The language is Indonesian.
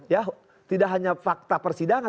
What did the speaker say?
ya tidak hanya fakta persidangan